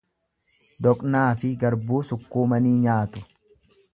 Doqnaafi garbuu sukkuumanii nyaatu.